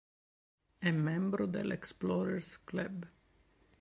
È membro dell'Explorers Club.